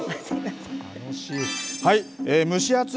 蒸し暑い